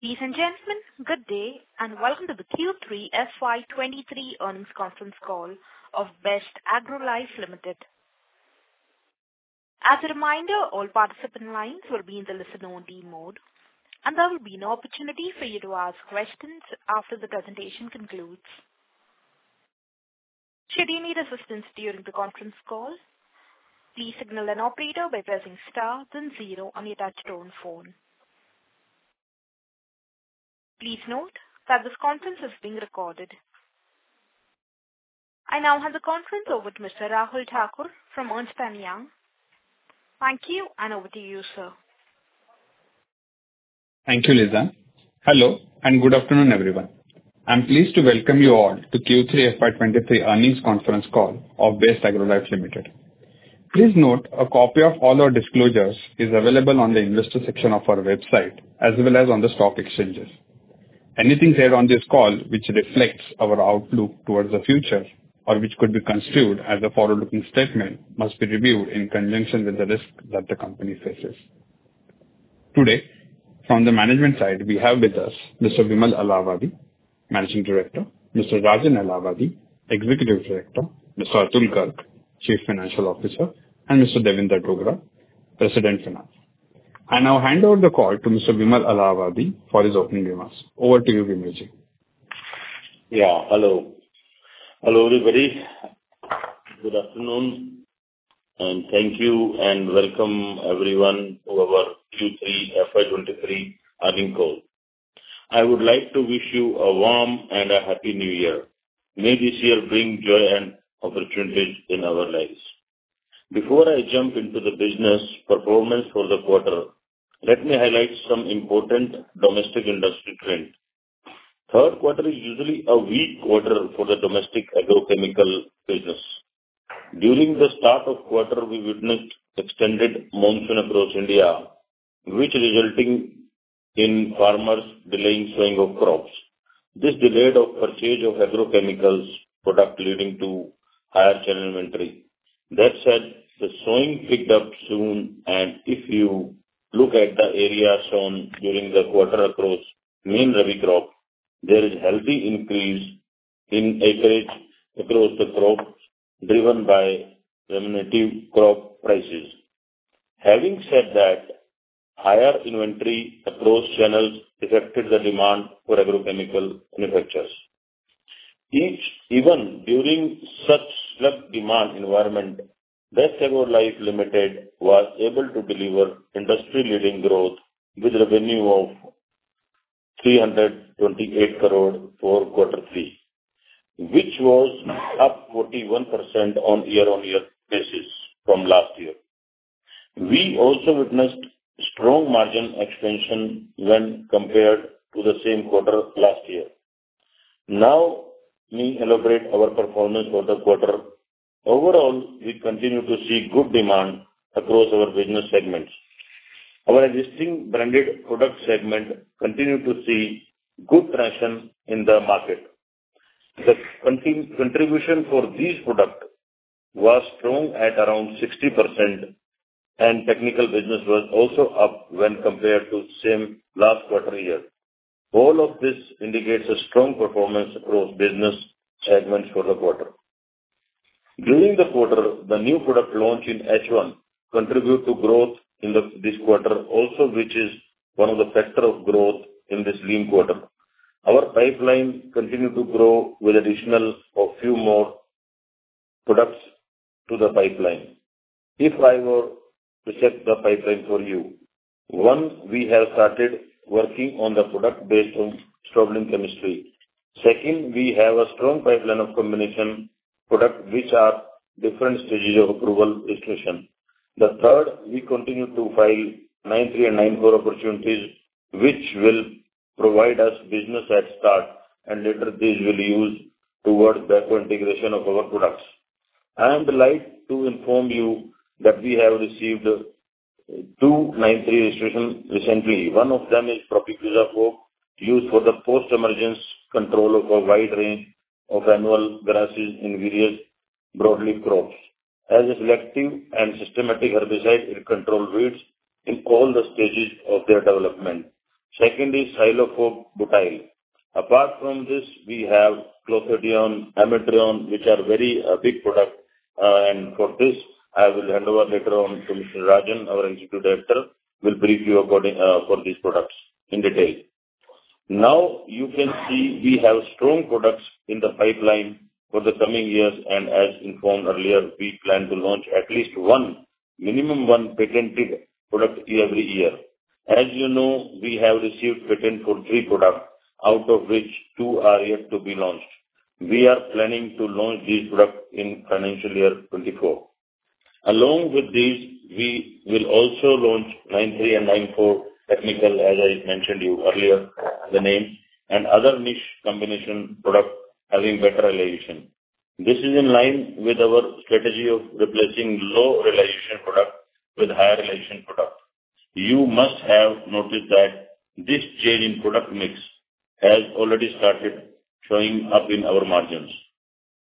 Ladies and gentlemen, good day, welcome to the Q3 FY 2023 earnings conference call of Best Agrolife Limited. As a reminder, all participant lines will be in the listen only mode, and there will be an opportunity for you to ask questions after the presentation concludes. Should you need assistance during the conference call, please signal an operator by pressing star then zero on your touch-tone phone. Please note that this conference is being recorded. I now hand the conference over to Mr. Rahul Thakur from Ernst & Young. Thank you, over to you, sir. Thank you, Lisa. Hello, good afternoon, everyone. I'm pleased to welcome you all to Q3 FY 2023 earnings conference call of Best Agrolife Limited. Please note a copy of all our disclosures is available on the investor section of our website as well as on the stock exchanges. Anything said on this call which reflects our outlook towards the future or which could be construed as a forward-looking statement must be reviewed in conjunction with the risk that the company faces. Today, from the management side, we have with us Mr. Vimal Alawadhi, Managing Director, Mr. Raajan Ailawadhi, Executive Director, Mr. Atul Garg, Chief Financial Officer, and Mr. Davinder Dogra, President Finance. I now hand over the call to Mr. Vimal Alawadhi for his opening remarks. Over to you, Vimalji. Hello, everybody, good afternoon, thank you and welcome everyone to our Q3 FY 2023 earnings call. I would like to wish you a warm and a happy new year. May this year bring joy and opportunities in our lives. Before I jump into the business performance for the quarter, let me highlight some important domestic industry trends. Third quarter is usually a weak quarter for the domestic agrochemical business. During the start of quarter, we witnessed extended monsoon across India, which resulting in farmers delaying sowing of crops. This delayed of purchase of agrochemicals product leading to higher channel inventory. That said, the sowing picked up soon, if you look at the area sown during the quarter across main rabi crop, there is healthy increase in acreage across the crops driven by remunerative crop prices. Having said that, higher inventory across channels affected the demand for agrochemical manufacturers. Even during such slack demand environment, Best Agrolife Limited was able to deliver industry leading growth with revenue of 328 crore for quarter three, which was up 41% on year-on-year basis from last year. We also witnessed strong margin expansion when compared to the same quarter last year. Me elaborate our performance for the quarter. Overall, we continue to see good demand across our business segments. Our existing branded product segment continued to see good traction in the market. The contribution for these product was strong at around 60%, and technical business was also up when compared to same last quarter year. All of this indicates a strong performance across business segments for the quarter. During the quarter, the new product launch in H one contribute to growth in the this quarter also which is one of the factor of growth in this lean quarter. Our pipeline continue to grow with additional a few more products to the pipeline. If I were to check the pipeline for you, one, we have started working on the product based on strobilurin chemistry. Second, we have a strong pipeline of combination product which are different stages of approval registration. The third, we continue to file 9(3) and nine-four opportunities which will provide us business head start. Later these will use towards better integration of our products. I am delighted to inform you that we have received two 9(3) registrations recently. One of them is Propaquizafop used for the post emergence control of a wide range of annual grasses in various broadleaf crops. As a selecting and systematic herbicide, it control weeds in all the stages of their development. Second is Cyhalofop-butyl. Apart from this we have Clothianidin, Ametryn, which are very big product. For this I will hand over later on to Mr. Raajan Ailawadhi, our Executive Director, will brief you according for these products in detail. Now, you can see we have strong products in the pipeline for the coming years, and as informed earlier, we plan to launch at least one, minimum one patented product every year. As you know, we have received patent for three products, out of which two are yet to be launched. We are planning to launch these products in FY 2024. Along with these, we will also launch Section 9(3) and Section 9(4) technical, as I mentioned you earlier the names, and other niche combination products having better realization. This is in line with our strategy of replacing low realization product with higher realization product. You must have noticed that this change in product mix has already started showing up in our margins.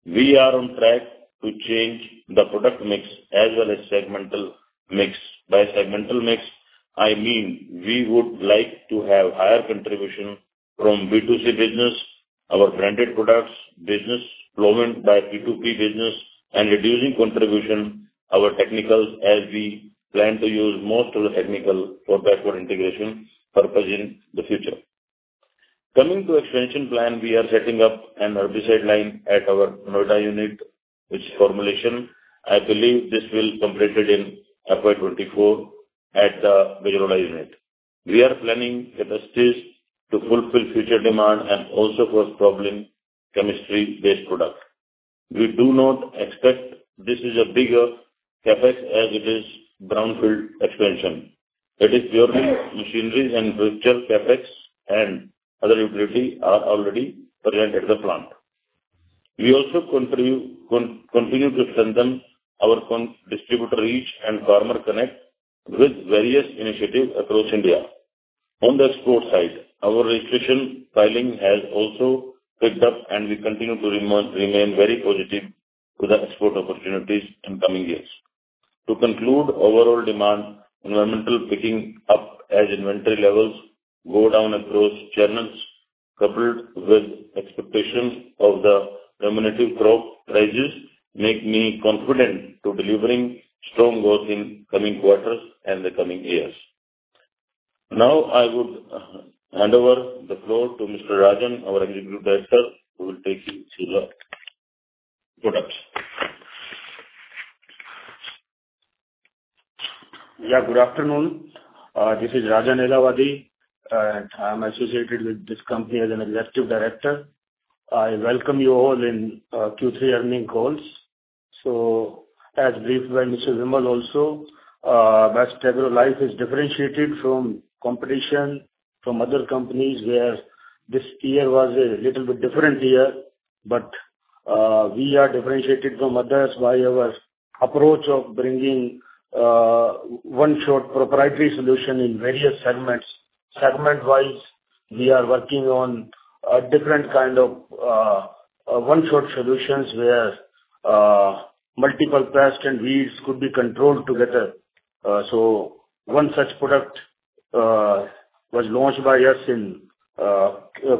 We are on track to change the product mix as well as segmental mix. By segmental mix, I mean, we would like to have higher contribution from B2C business, our branded products business, movement by B2B business, and reducing contribution our technicals as we plan to use most of the technical for backward integration purpose in the future. Coming to expansion plan, we are setting up an herbicide line at our Noida unit, which formulation I believe this will completed in FY 2024 at the Greater Noida unit. We are planning capacities to fulfill future demand and also for problem chemistry-based product. We do not expect this is a bigger CAPEX as it is brownfield expansion. That is purely machineries and virtual CAPEX and other utility are already present at the plant. We also continue to strengthen our distributor reach and farmer connect with various initiatives across India. On the export side, our registration filing has also picked up, and we continue to remain very positive to the export opportunities in coming years. To conclude, overall demand, environmental picking up as inventory levels go down across channels, coupled with expectations of the remunerative crop prices, make me confident to delivering strong growth in coming quarters and the coming years. Now I would hand over the floor to Mr. Raajan, our executive director, who will take you through the products. Good afternoon. This is Raajan Ailawadhi, I'm associated with this company as an Executive Director. I welcome you all in Q3 earnings calls. As briefed by Mr. Vimal Alawadhi also, Best Agrolife is differentiated from competition from other companies, where this year was a little bit different year. We are differentiated from others by our approach of bringing one-shot proprietary solution in various segments. Segment-wise, we are working on a different kind of a one-shot solutions where multiple pest and weeds could be controlled together. One such product was launched by us in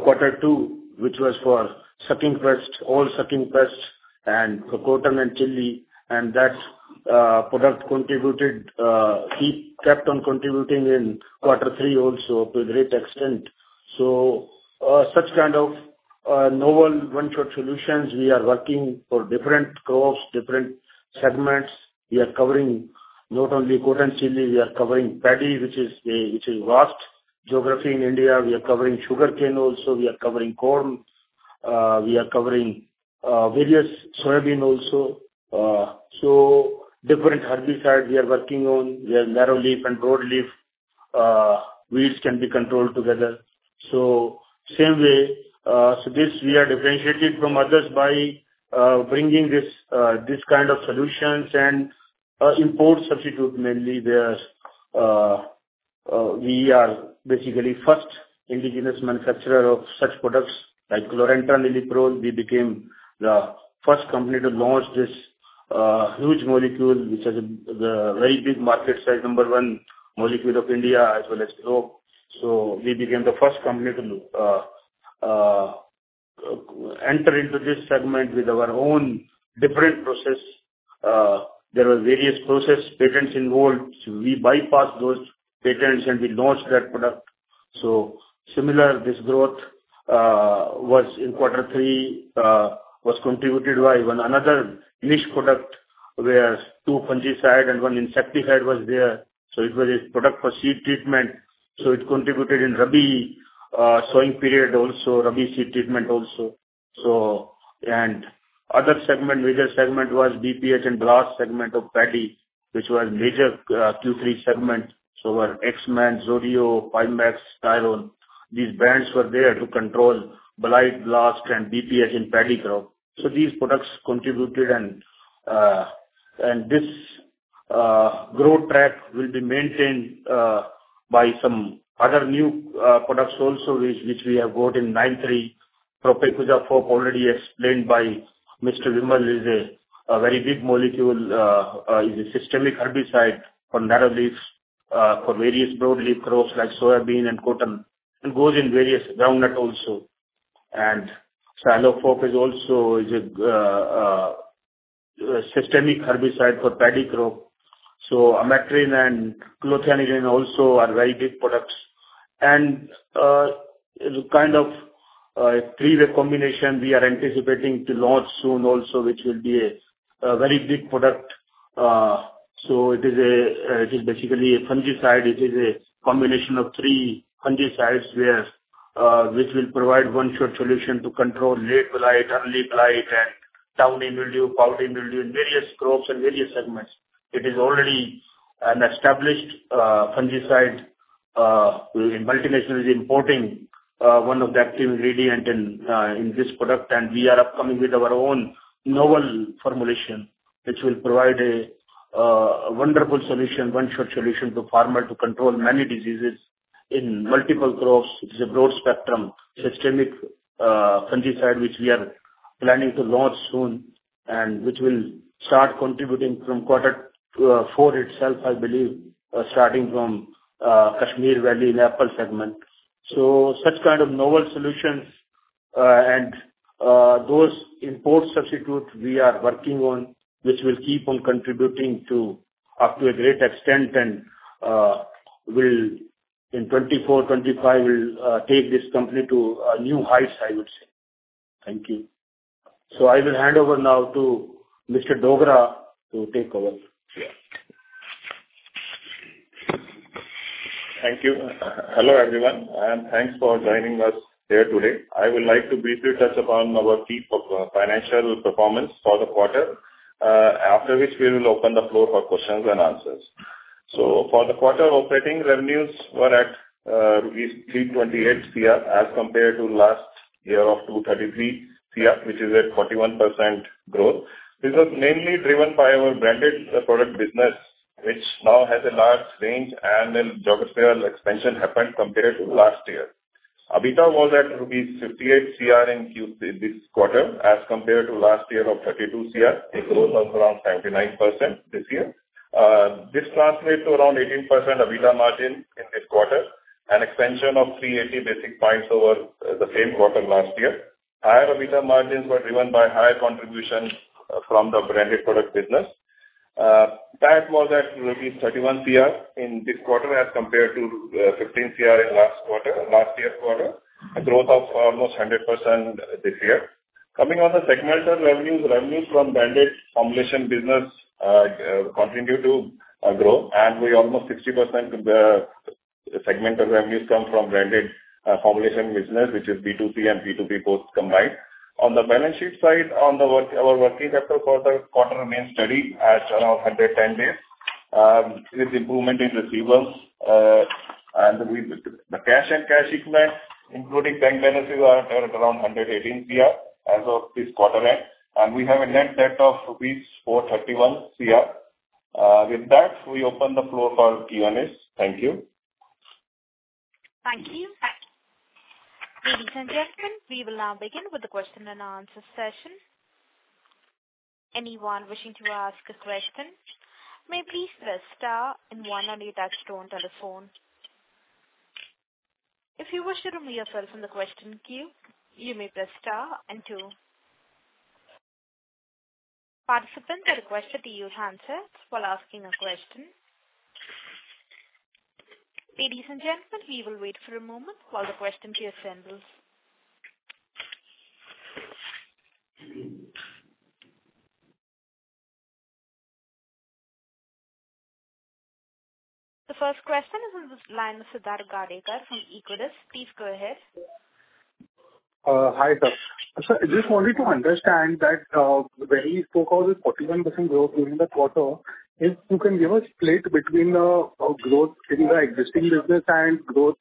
quarter two, which was for sucking pest, all sucking pest and for cotton and chili, and that product contributed, it kept on contributing in quarter three also to a great extent. Such kind of novel one short solutions we are working for different crops, different segments. We are covering not only cotton chili, we are covering paddy, which is vast geography in India. We are covering sugarcane also. We are covering corn. We are covering various soybean also. Different herbicides we are working on, where narrow leaf and broad leaf weeds can be controlled together. Same way, this we are differentiated from others by bringing this kind of solutions and import substitute mainly where we are basically first indigenous manufacturer of such products like chlorantraniliprole. We became the first company to launch this huge molecule, which has the very big market size, number one molecule of India as well as globe. We became the first company to enter into this segment with our own different process. There were various process patents involved, we bypassed those patents and we launched that product. Similar, this growth in quarter three was contributed by even another niche product where two fungicide and one insecticide was there. It was a product for seed treatment, it contributed in rabi sowing period also, rabi seed treatment also. Other segment, major segment was BPH and blast segment of paddy, which was major Q3 segment. Our AxeMan, Zodio, PYMAX, Styron, these brands were there to control blight, blast and BPH in paddy crop. These products contributed and this growth path will be maintained by some other new products also which we have got in 9(3). Propaquizafop already explained by Mr. Vimal is a very big molecule, is a systemic herbicide for narrow leaves, for various broad leaf crops like soybean and cotton and goes in various groundnut also. Cyhalofop-butyl is also a systemic herbicide for paddy crop. Ametryn and Clothianidin also are very big products. kind of three-way combination we are anticipating to launch soon also, which will be a very big product. it is a, it is basically a fungicide. It is a combination of three fungicides where which will provide one short solution to control late blight, early blight and downy mildew, powdery mildew in various crops and various segments. It is already an established fungicide, multinationals importing one of the active ingredient in in this product. We are upcoming with our own novel formulation which will provide a wonderful solution, one short solution to farmer to control many diseases in multiple crops. It is a broad spectrum systemic fungicide which we are planning to launch soon and which will start contributing from quarter four itself, I believe, starting from Kashmir Valley in apple segment. Such kind of novel solutions and those import substitutes we are working on, which will keep on contributing to up to a great extent and will in 2024, 2025 will take this company to new heights, I would say. Thank you. I will hand over now to Mr. Dogra to take over. Yeah. Thank you. Hello, everyone, and thanks for joining us here today. I would like to briefly touch upon our key per-financial performance for the quarter, after which we will open the floor for questions and answers. For the quarter operating revenues were at 328 crore as compared to last year of 233 crore, which is at 41% growth. This was mainly driven by our branded product business, which now has a large range and then geographical expansion happened compared to last year. EBITDA was at rupees 58 crore in Q3 this quarter as compared to last year of 32 crore. A growth of around 79% this year. This translates to around 18% EBITDA margin in this quarter, an expansion of 380 basis points over the same quarter last year. Higher EBITDA margins were driven by higher contributions from the branded product business. PAT was at rupees 31 crore in this quarter as compared to 15 crore in last quarter, last year quarter, a growth of almost 100% this year. Coming on the segmental revenues from branded formulation business continue to grow. Almost 60% of the segmental revenues come from branded formulation business, which is B2C and B2B both combined. On the balance sheet side, our working capital for the quarter remains steady at around 110 days, with improvement in receivables. With the cash and cash equivalents, including bank balances, are at around 118 crore as of this quarter end. We have a net debt of rupees 431 crore. With that, we open the floor for Q&A. Thank you. Thank you. Ladies and gentlemen, we will now begin with the question-and-answer session. Anyone wishing to ask a question may please press star and one on your touch-tone telephone. If you wish to remove yourself from the question queue, you may press star and two. Participants are requested to use handsets while asking a question. Ladies and gentlemen, we will wait for a moment while the question queue assembles. The first question is on the line with Siddharth Ghadage from Equirus. Please go ahead. Hi, sir. Sir, just wanted to understand that when we spoke of this 41% growth during the quarter, if you can give a split between growth in the existing business and growth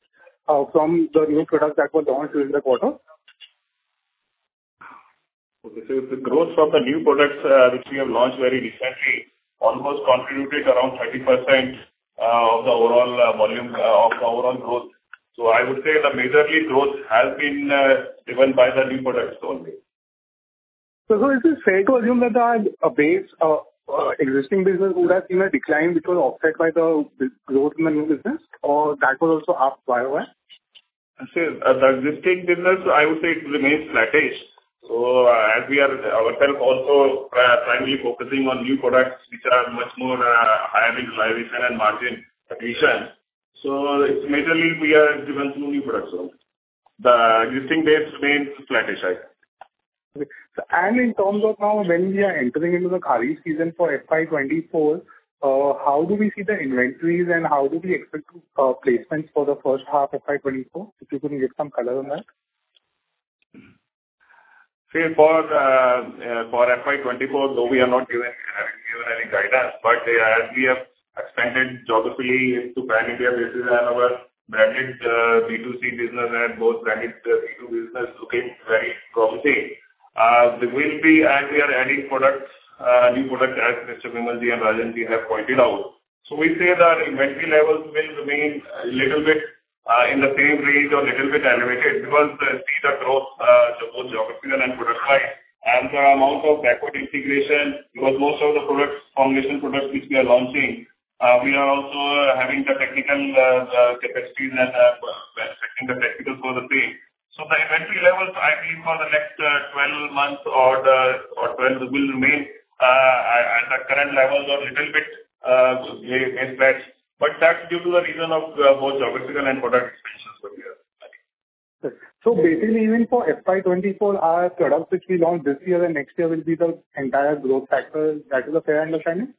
from the new products that were launched during the quarter? The growth from the new products, which we have launched very recently, almost contributed around 30%, of the overall volume, of the overall growth. I would say the majorly growth has been, driven by the new products only. Is it fair to assume that the base existing business would have seen a decline which was offset by the growth in the new business or that was also up YOY? The existing business, I would say it remains flattish. As we are ourself also, primarily focusing on new products which are much more, higher in revision and margin potential. It's majorly we are driven through new products only. The existing base remains flattish. Okay. In terms of now when we are entering into the Kharif season for FY 2024, how do we see the inventories and how do we expect placements for the first half of FY 2024? If you can give some color on that. See for FY 2024, though we have not given any guidance, but as we have expanded geographically into pan-India basis and our branded B2C business and both branded B2B business looking very promising, there will be as we are adding products, new products as Mr. Vimal ji and Raajan ji have pointed out. We say that inventory levels will remain a little bit in the same range or little bit elevated because these are growth, both geographical and product line and the amount of backward integration because most of the products, formulation products which we are launching, we are also having the technical capacities and respecting the technical potency. The inventory levels, I mean, for the next 12 months or 12 will remain at the current levels or little bit may fetch. But that's due to the reason of both geographical and product expansions which we are having. Basically even for FY 2024, our products which we launched this year and next year will be the entire growth factor. That is a fair understanding?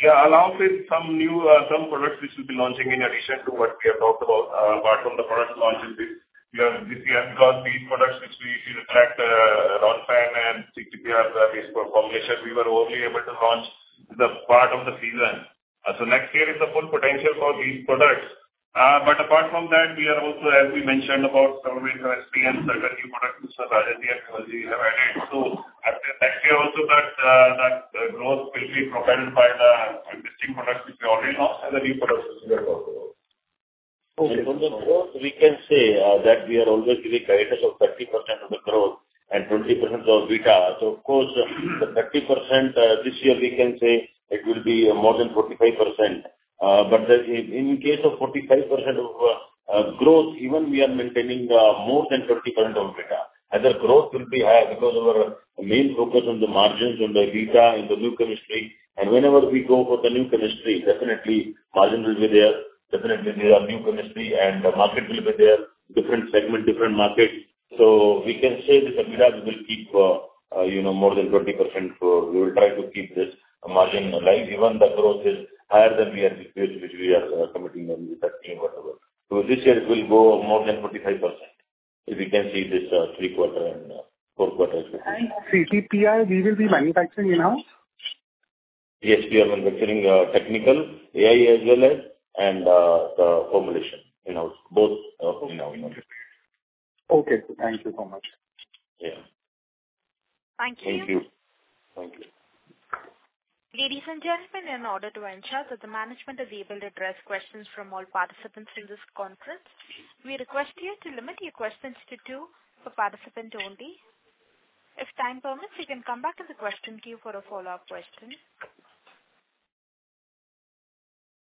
Yeah. Along with some new, some products which will be launching in addition to what we have talked about, apart from the product launch this year. This year because these products which we attract, Ronfen and CTPR, the base formulation, we were only able to launch the part of the season. Next year is the full potential for these products. Apart from that, we are also, as we mentioned about some of the SPS and other new products which Ajanti and Kavaldi have added. After next year also that growth will be provided by the existing products which we already have and the new products as well. Okay. From the growth, we can say that we are always giving guidance of 30% of the growth and 20% of EBITDA. Of course, the 30%, this year we can say it will be more than 45%. But in case of 45% of growth, even we are maintaining more than 30% of EBITDA, as the growth will be high because our main focus on the margins, on the EBITDA, and the new chemistry. Whenever we go for the new chemistry, definitely margin will be there, definitely there are new chemistry and the market will be there, different segment, different market. We can say that the EBITDA will keep, you know, more than 20%. We will try to keep this margin alive even the growth is higher than we are expecting, which we are committing with 13, whatever. This year it will grow more than 45%. If we can see this, 3 quarter and 4 quarters. CTPR, we will be manufacturing in-house? Yes, we are manufacturing, technical AI as well as the formulation in-house. Both in-house. Okay. Thank you so much. Yeah. Thank you. Thank you. Thank you. Ladies and gentlemen, in order to ensure that the management is able to address questions from all participants in this conference, we request you to limit your questions to two per participant only. If time permits, you can come back to the question queue for a follow-up question.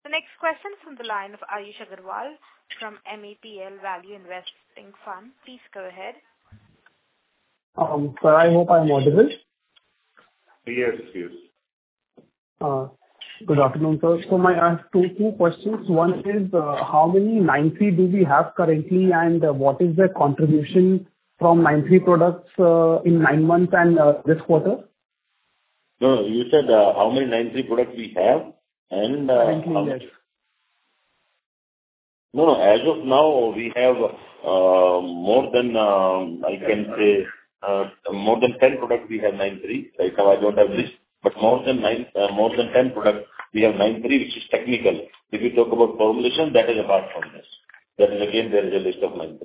The next question from the line of Ayush Agarwal from MAPL Value Investing Fund. Please go ahead. Sir, I hope I'm audible. Yes, yes. Good afternoon, sir. I have two questions. One is, how many 9(3) do we have currently, and what is the contribution from 9(3) products in nine months and this quarter? No, you said how many 9(3) products we have and. Currently, yes. No, no. As of now, we have more than 10 products we have 9(3). Right now I don't have list, but more than 10 products we have 9(3), which is technical. If you talk about formulation, that is apart from this. That is again, there is a list of 9(3).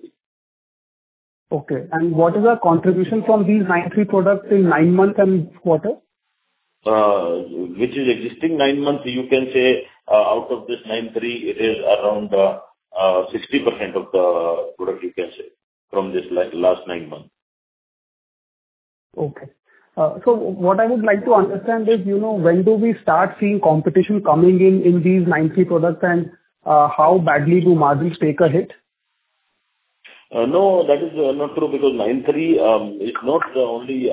Okay. What is the contribution from these Section 9(3) products in nine months and this quarter? Which is existing 9 months, you can say, out of this 9-3 it is around 60% of the product you can say from this last 9 months. Okay. What I would like to understand is, you know, when do we start seeing competition coming in in these Section 9(3) products and how badly do margins take a hit? No, that is not true because 9(3) is not the only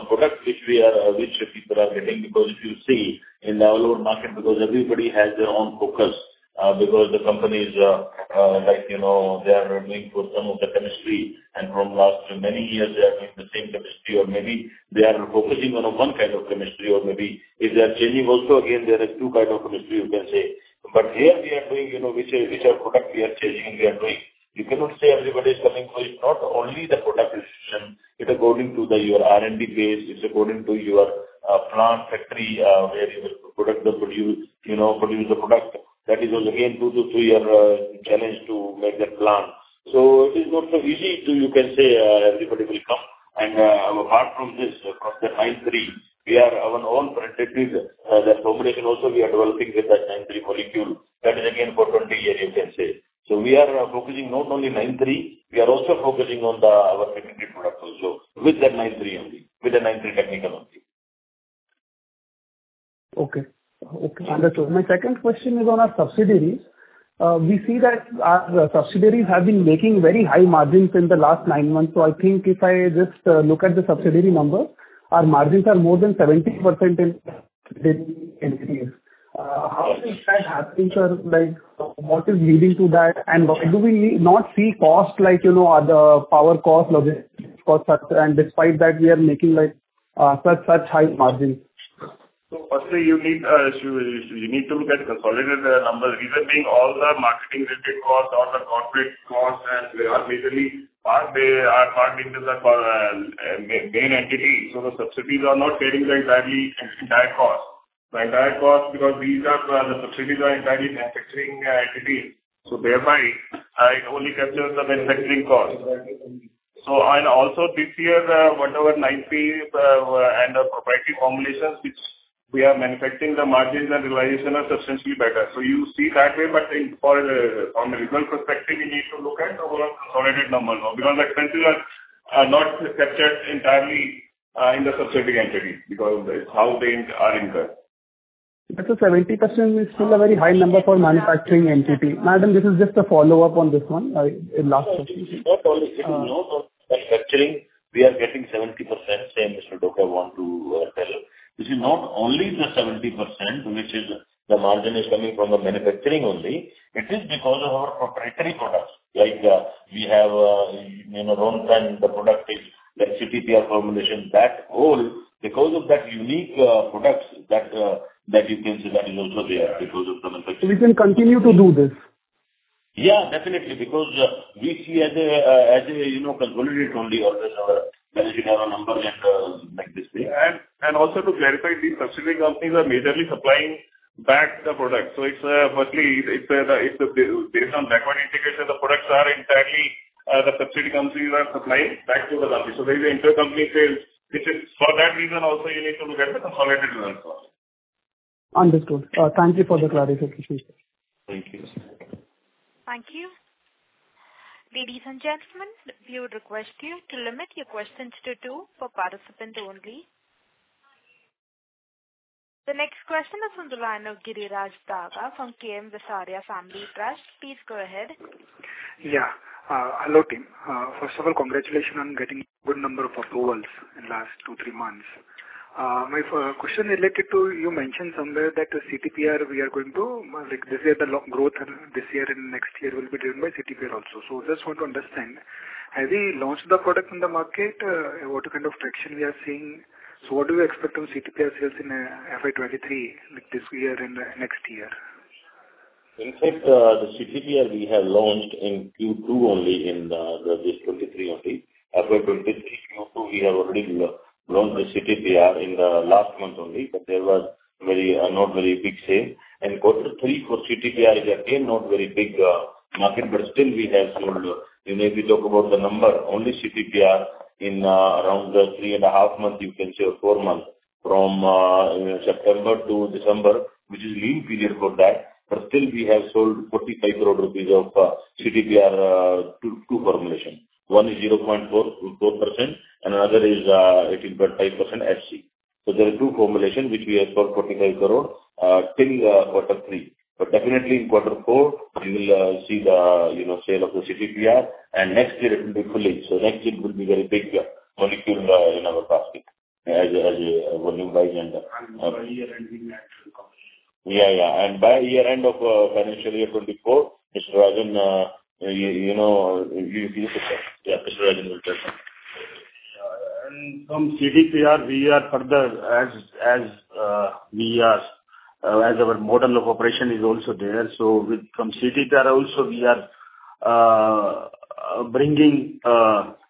product which we are which people are getting because if you see in the overall market because everybody has their own focus. The companies, like, you know, they are doing for some of the chemistry and from last many years they are doing the same chemistry or maybe they are focusing on one kind of chemistry or maybe if they are changing also again, there is two kind of chemistry you can say. Here we are doing, you know, which are product we are changing, we are doing. You cannot say everybody is coming. It's not only the product decision, it's according to the your R&D base, it's according to your plant factory, where you will product the produce, you know, produce the product. That is again two-three year challenge to make that plant. It is not so easy to you can say, everybody will come. Apart from this, from the 9(3), we are our own proprietary that formulation also we are developing with that 9(3) molecule. That is again for 28 you can say. We are focusing not only 9(3), we are also focusing on the, our segmented product also. With that 9(3) only. With the 9(3) technical only. Okay. Okay. Understood. My second question is on our subsidiaries. We see that our subsidiaries have been making very high margins in the last nine months. I think if I just look at the subsidiary numbers, our margins are more than 70% in here. How is that happening, sir? Like, what is leading to that? Why do we not see costs like, you know, the power cost, logistics cost structure, and despite that we are making like such high margins. Firstly you need, you need to look at consolidated numbers. Reason being all the marketing related costs, all the corporate costs and they are majorly part, they are part into the main entity. The subsidies are not carrying the exactly entire cost. The entire cost because these are, the subsidies are entirely manufacturing entity. Thereby, it only captures the manufacturing cost. Also this year, whatever Section 9(3) and the proprietary formulations which we are manufacturing, the margins and realization are substantially better. You see that way, but in for the, from the result perspective, you need to look at our consolidated numbers. The expenses are not captured entirely in the subsidiary entity because how they are incurred. The 70% is still a very high number for manufacturing entity. Madam, this is just a follow-up on this one. Last question. It's not only, you know, the manufacturing we are getting 70%, say, Vimal Kumar want to tell. This is not only the 70% which is the margin is coming from the manufacturing only. It is because of our proprietary products. Like, we have, you know, own brand the product is the CTPR formulation. That whole, because of that unique products that you can say that is also there because of the manufacturing. We can continue to do this. Yeah, definitely. We see as a, you know, consolidated only always our managing our numbers and, like this way. Also to clarify, these subsidiary companies are majorly supplying back the product. Firstly, it's based on backward integration, the products are entirely the subsidiary companies are supplying back to the company. There is intercompany sales which is for that reason also you need to look at the consolidated results. Understood. Thank you for the clarification. Thank you, sir. Thank you. Ladies and gentlemen, we would request you to limit your questions to two per participant only. The next question is on the line of Giriraj Daga from KM Bisaria Family Trust. Please go ahead. Yeah. Hello team. First of all, congratulations on getting good number of approvals in last two, three months. My question related to you mentioned somewhere that CTPR we are going to like this year the growth and this year and next year will be driven by CTPR also. Just want to understand, have you launched the product in the market? What kind of traction we are seeing? What do you expect from CTPR sales in FY 2023, like this year and next year? In fact, the CTPR we have launched in Q2 only in 23 only. FY 2023 Q2 we have already launched the CTPR in the last month only, but there was very not very big sale. Quarter three for CTPR is again not very big market, but still we have sold, you know, if we talk about the number, only CTPR in around three and a half months you can say or four months from September to December, which is lean period for that, but still we have sold 45 crore rupees of CTPR, two formulation. One is 0.44%, and another is 18.5% SC. There are two formulation which we have sold 45 crore till quarter three. Definitely in quarter four we will see the, you know, sale of the CTPR and next year it will be fully. Next year it will be very big molecule in our basket as a volume wise and. by year end in actual. Yeah. By year end of financial year 2024, Mr. Rajaan, you know, you pick up. Yeah, Mr. Rajaan will tell. Yeah. From CTPR we are further as we are as our model of operation is also there. With from CTPR also we are bringing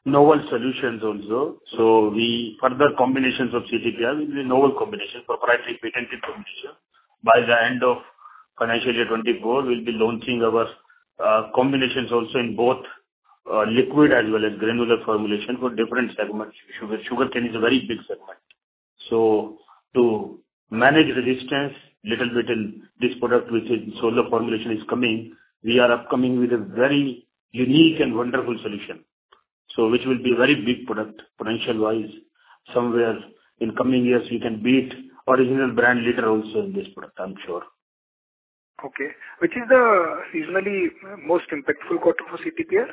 novel solutions also. The further combinations of CTPR will be novel combination, proprietary patented combination. By the end of financial year 2024 we'll be launching our combinations also in both liquid as well as granular formulation for different segments. Sugar, sugarcane is a very big segment. To manage resistance little this product which is solo formulation is coming. We are upcoming with a very unique and wonderful solution. Which will be very big product potential wise. Somewhere in coming years you can beat original brand leader also in this product, I'm sure. Okay. Which is the seasonally most impactful quarter for CTPR?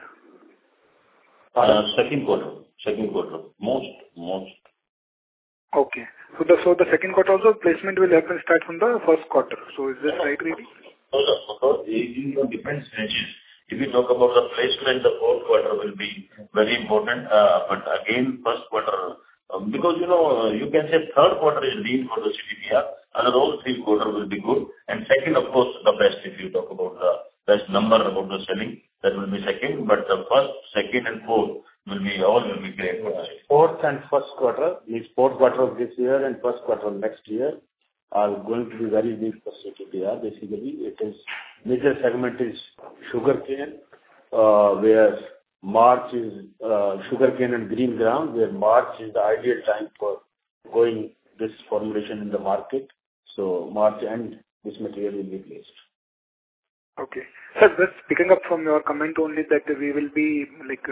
Second quarter. Most. Okay. The second quarter also placement will happen start from the first quarter. Is this right reading? No, no. It, you know, depends, Giriraj. If you talk about the placement, the fourth quarter will be very important. Again, first quarter, because you know, you can say third quarter is lean for the CTPR. Other all 3 quarter will be good. Second of course the best if you talk about the best number about the selling, that will be second. The first, second and fourth will be all will be great. Fourth and first quarter, means fourth quarter of this year and first quarter next year are going to be very big for CTPR. Basically it is major segment is sugarcane, where March is sugarcane and green gram, where March is the ideal time for going this formulation in the market. March end this material will be placed. Okay. Sir, just picking up from your comment only that we will be like,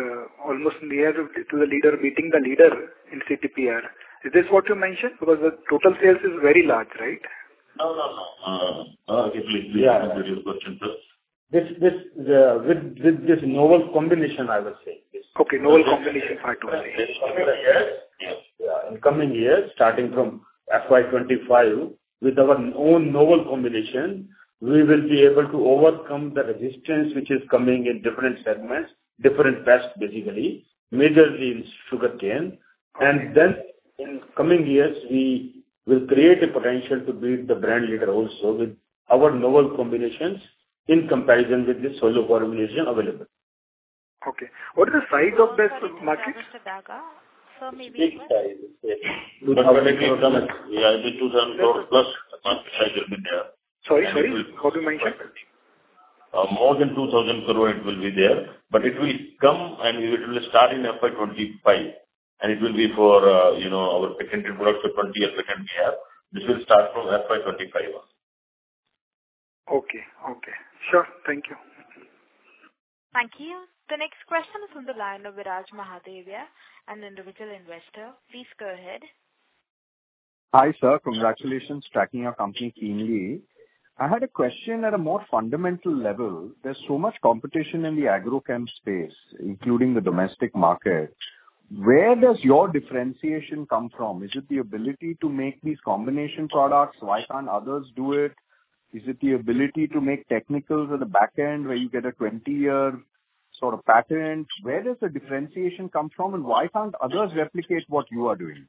almost near to the leader, meeting the leader in CTPR. Is this what you mentioned? Because the total sales is very large, right? No, no. Yeah. Please repeat your question, sir. This with this novel combination, I was saying this. Okay, novel combination for FY 23. Yes. In coming years, starting from FY 25 with our own novel combination, we will be able to overcome the resistance which is coming in different segments, different pests basically, majorly in sugarcane. In coming years we will create a potential to beat the brand leader also with our novel combinations in comparison with the solo formulation available. Okay. What is the size of this market? One moment, Mr. Daga. Sir, maybe. It's a big size. Yeah. When it will come Yeah, the 2,000 crore plus market size will be there. Sorry, sorry. How do you mean by that? More than 2,000 crore it will be there, but it will come and it will start in FY 2025 and it will be for, you know, our secondary products, the 20-year second we have. This will start from FY25. Okay. Okay. Sure. Thank you. Thank you. The next question is on the line of Viraj Mahadevia, an individual investor. Please go ahead. Hi sir, congratulations. Tracking your company keenly. I had a question at a more fundamental level. There's so much competition in the agrochem space, including the domestic market. Where does your differentiation come from? Is it the ability to make these combination products? Why can't others do it? Is it the ability to make technicals at the back end where you get a 20-year sort of patent? Where does the differentiation come from, and why can't others replicate what you are doing?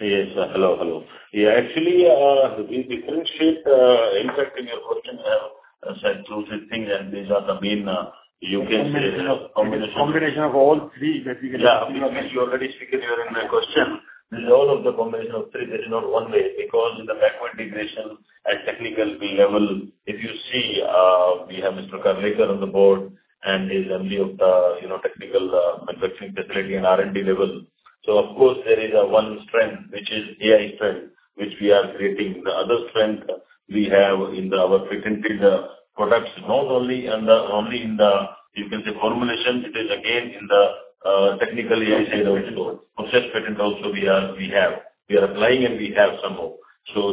Yes. Hello. Actually, in different sheet, impacting your question, I said two, three things, and these are the main. Combination of all three that we. Yeah, I mean, you already speak in your, in the question. This is all of the combination of three. There is no one way because in the backward integration at technical level, if you see, we have Mr. Karnekar on the board and his army of, you know, technical manufacturing capability and R&D level. Of course, there is one strength, which is AI strength, which we are creating. The other strength we have our patented products, not only in the formulations, it is again in the technical AI side of it. Process patent also we are, we have. We are applying and we have some more.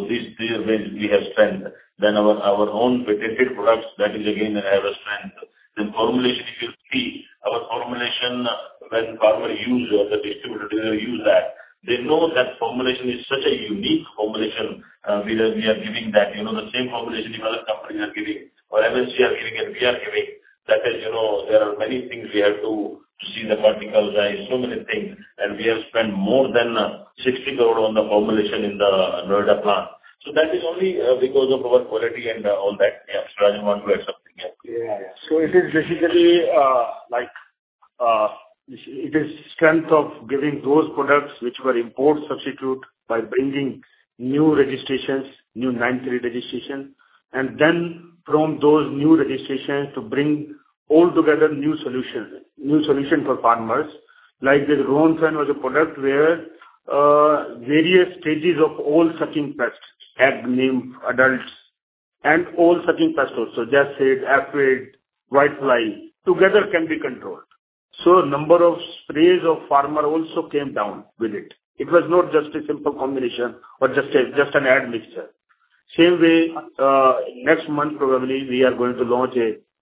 These are ways we have strength. Our own patented products, that is again another strength. Formulation, if you see our formulation, when farmer use or the distributor use that, they know that formulation is such a unique formulation, because we are giving that. You know, the same formulation if other companies are giving or MNCs are giving and we are giving, that is, you know, there are many things we have to see the particles size, so many things. We have spent more than 60 crore on the formulation in the Noida plant. That is only because of our quality and all that. Yeah. Raajan want to add something? Yeah. It is basically, like, it is strength of giving those products which were import substitute by bringing new registrations, new 9(3) registration, and then from those new registrations to bring all together new solutions, new solution for farmers. This Ronfen was a product where various stages of all sucking pests, egg, nymph, adults, and all sucking pests also, jassids, aphroid, whitefly, together can be controlled. Number of sprays of farmer also came down with it. It was not just a simple combination or just an admixture. Same way, next month probably we are going to launch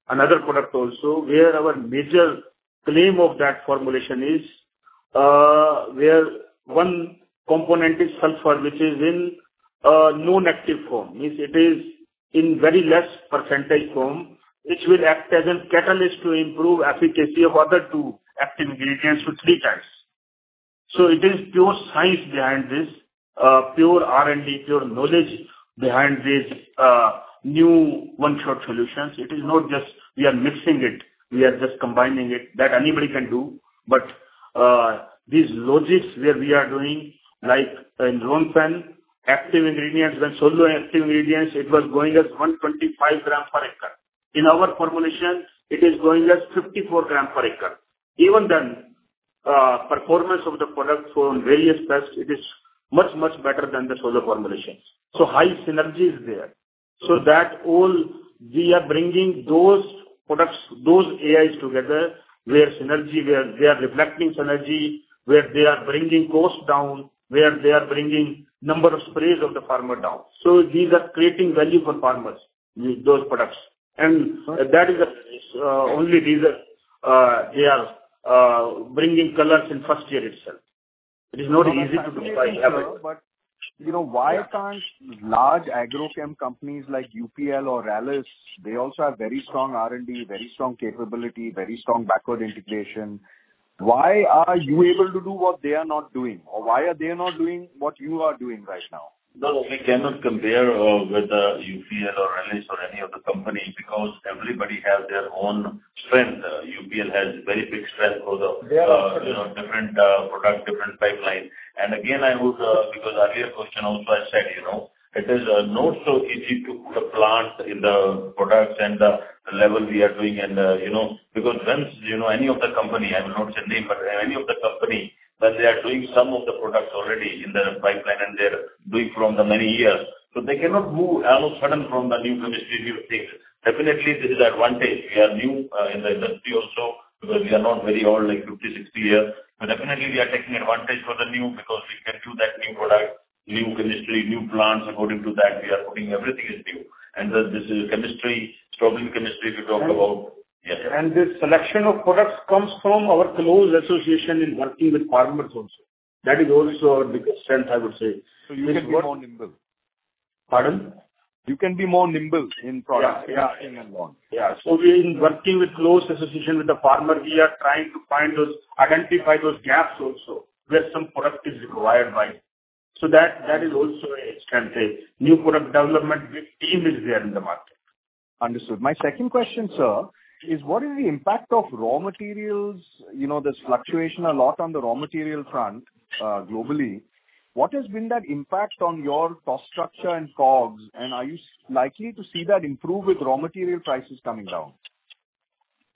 another product also where our major claim of that formulation is where one component is sulfur, which is in a non-active form, means it is in very less percentage form, which will act as a catalyst to improve efficacy of other two active ingredients to three times. It is pure science behind this, pure R&D, pure knowledge behind this, new one short solutions. It is not just we are mixing it, we are just combining it. That anybody can do. These logics where we are doing like in Ronfen active ingredients, when solo active ingredients, it was going as 125 gram per acre. In our formulation, it is going as 54 gram per acre. Even then, performance of the product on various tests, it is much, much better than the solo formulations. High synergy is there. That all we are bringing those products, those AIs together, where synergy, where they are reflecting synergy, where they are bringing cost down, where they are bringing number of sprays of the farmer down. These are creating value for farmers with those products. That is a, only these are, they are, bringing colors in first year itself. It is not easy to do but we have it. You know, why can't large agrochem companies like UPL or Rallis, they also have very strong R&D, very strong capability, very strong backward integration. Why are you able to do what they are not doing? Or why are they not doing what you are doing right now? No, we cannot compare with UPL or Rallis or any of the company because everybody has their own strength. UPL has very big strength for the, you know, different product, different pipeline. Again, I would, because earlier question also I said, you know, it is not so easy to put a plant in the products and the level we are doing and, you know. Because when, you know, any of the company, I will not say name, but any of the company that they are doing some of the products already in their pipeline and they are doing from the many years, so they cannot move all of a sudden from the new chemistry, new things. Definitely this is advantage. We are new in the industry also because we are not very old, like 50, 60 year. Definitely we are taking advantage for the new because we can do that new product, new chemistry, new plants according to that. We are putting everything as new. This is chemistry, strobilurin chemistry we talked about. Yes. This selection of products comes from our close association in working with farmers also. That is also our biggest strength, I would say. You can be more nimble. Pardon? You can be more nimble in products. Yeah. Yeah. Testing and launch. Yeah. We working with close association with the farmer. We are trying to find those, identify those gaps also where some product is required by. That is also a strength, new product development with team is there in the market. Understood. My second question, sir, is what is the impact of raw materials, you know, this fluctuation a lot on the raw material front, globally. What has been that impact on your cost structure and COGS, and are you likely to see that improve with raw material prices coming down?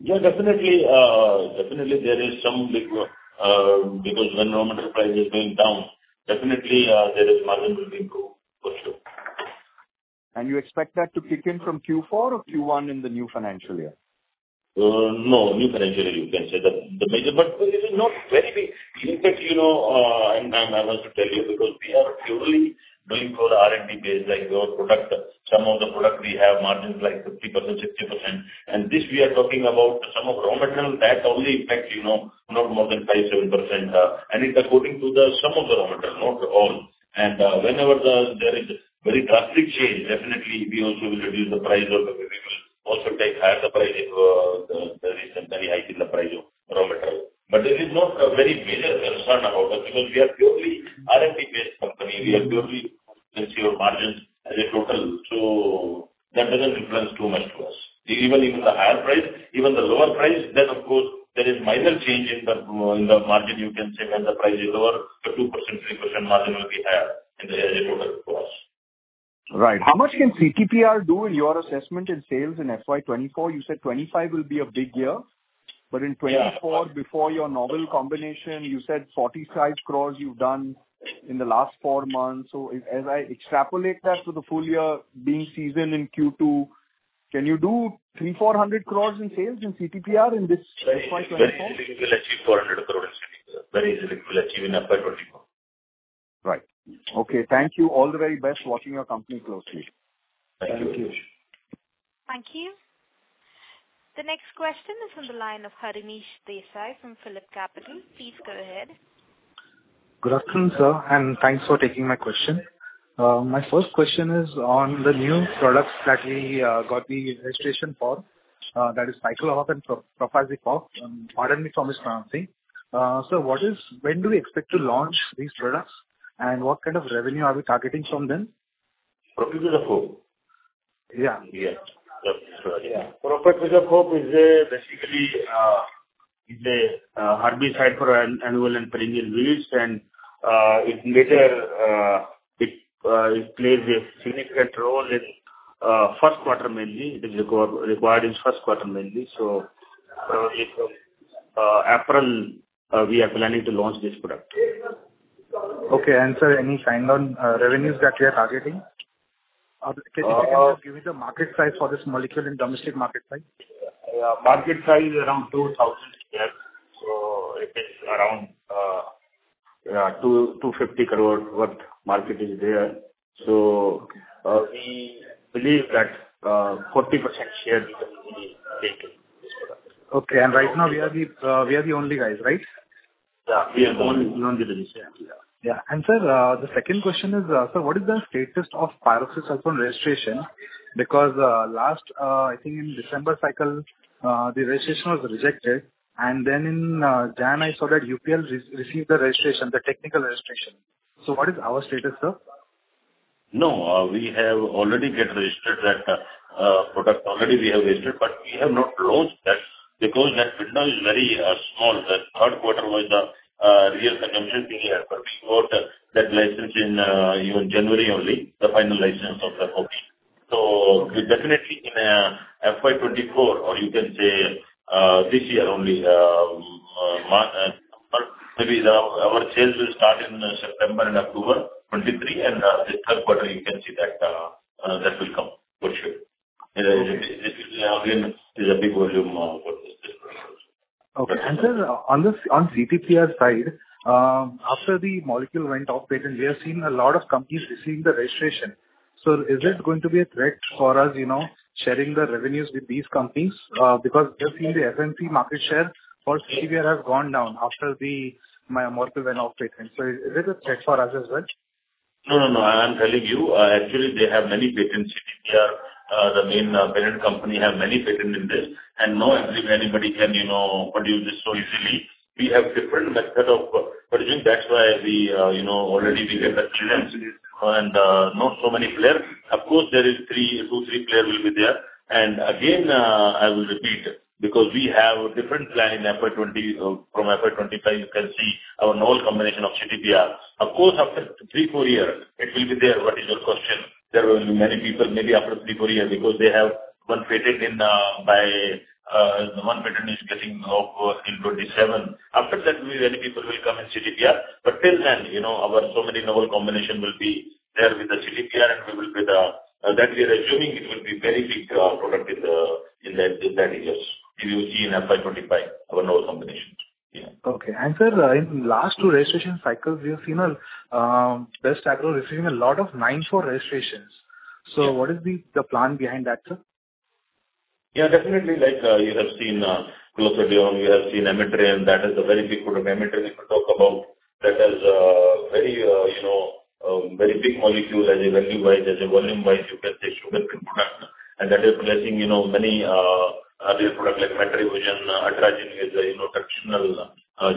definitely there is some big, because when raw material price is going down, definitely, there is margin will improve also. You expect that to kick in from Q4 or Q1 in the new financial year? No, new financial year you can say the major. It is not greatly. In fact, you know, I want to tell you, because we are purely doing for R&D-based, like your product, some of the product we have margins like 50%, 60%. This we are talking about some of raw material that only impact, you know, not more than 5%, 7%. It's according to some of the raw material, not all. Whenever there is very drastic change, definitely we also will reduce the price of the material. Also take higher the pricing, the recent very hike in the price of raw material. This is not a very major concern about that because we are purely R&D-based company. We are purely secure margins as a total. That doesn't influence too much to us. Even, even the higher price, even the lower price, then of course, there is minor change in the margin you can say. When the price is lower, the 2%, 3% margin will be higher in the total cost. Right. How much can CTPR do in your assessment in sales in FY 2024? You said 2025 will be a big year, but in 24 before your novel combination, you said 45 crores you've done in the last four months. As I extrapolate that to the full year being seasoned in Q2, can you do 300 crores-INR400 crores in sales in CTPR in this FY 2024? Very easily we will achieve 400 crore in CTPR. Very easily we will achieve in FY2024. Right. Okay. Thank you. All the very best. Watching your company closely. Thank you. Thank you. The next question is on the line of Harish Desai from PhillipCapital. Please go ahead. Good afternoon, sir, and thanks for taking my question. My first question is on the new products that we got the registration for, that is Michael and Propique. Pardon me for mispronouncing. When do we expect to launch these products, and what kind of revenue are we targeting from them? Propique 福. Yeah. Yeah. Propique is a herbicide for an annual and perennial weeds. It plays a significant role in first quarter mainly. It is required in first quarter mainly. April, we are planning to launch this product. Okay. Sir, any sign on revenues that we are targeting? If you can just give me the market size for this molecule in domestic market size. Yeah. Market size around 2,000 square. It is around, yeah, 250 crore worth market is there. We believe that 40% share we will be taking this product. Okay. Right now we are the, we are the only guys, right? Yeah, we are the only producer. Yeah. Yeah. Sir, the second question is, sir, what is the status of pyroxasulfone registration because, last, I think in December cycle, the registration was rejected, and then in January I saw that UPL re-received the registration, the technical registration. What is our status, sir? No. We have already get registered that product. Already we have registered, we have not launched that because that window is very small. The third quarter was the real consumption period. We got that license in even January only, the final license of the. We definitely in FY 2024 or you can say, this year only, maybe our sales will start in September and October 2023, and the third quarter you can see that will come for sure. It will again be a big volume for this business. Okay. Sir, on this, on CTPR side, after the molecule went off patent, we have seen a lot of companies receiving the registration. Is it going to be a threat for us, you know, sharing the revenues with these companies? Because we have seen the S&P market share for CTPR has gone down after the molecule went off patent. Is it a threat for us as well? No, no. I am telling you, actually they have many patents in India. The main parent company have many patent in this, and no, actually anybody can, you know, produce this so easily. We have different method of producing. That's why we, you know, already we get the clearance. Not so many players. Of course, there is three, two, three players will be there. Again, I will repeat because we have a different plan in FY25, you can see our novel combination of CTPR. Of course, after three, four years it will be there. What is your question? There will be many people maybe after three, four years because they have one patent in by one patent is getting over in 27. After that, many people will come in CTPR. till then, you know, our so many novel combination will be there with the CTPR, and that we are assuming it will be very big product in the, in the, in that years. You will see in FY25 our novel combinations. Yeah. Okay. Sir, in last two registration cycles, we have seen Best Agrolife receiving a lot of 9(4) registrations. What is the plan behind that, sir? Definitely. Like, you have seen hexaconazole, you have seen amitraz. That is a very big product. Amitraz we could talk about. That has very, you know, very big molecule as a value-wise, as a volume-wise, you can say, human product. That is replacing, you know, many other product like metribuzin, atrazin is a, you know, traditional